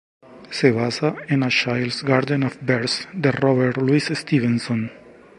Se basa en "A Child's Garden of Verse" de Robert Louis Stevenson.